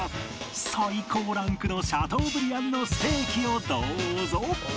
最高ランクのシャトーブリアンのステーキをどうぞ！